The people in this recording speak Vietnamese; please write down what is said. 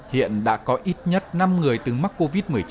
hiện đã có ít nhất năm người từng mắc covid một mươi chín